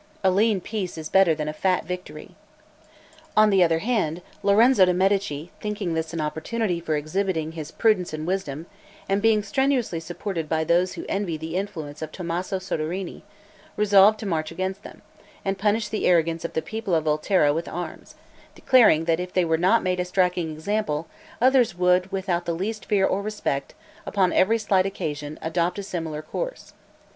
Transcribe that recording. "[*] On the other hand, Lorenzo de' Medici, thinking this an opportunity for exhibiting his prudence and wisdom, and being strenuously supported by those who envied the influence of Tommaso Soderini, resolved to march against them, and punish the arrogance of the people of Volterra with arms; declaring that if they were not made a striking example, others would, without the least fear or respect, upon every slight occasion, adopt a similar course.